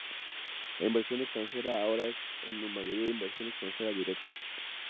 La inversión extranjera ahora es en su mayoría inversión extranjera directa.